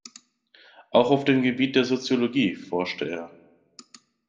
Auch auf dem Gebiet der Soziologie forschte er.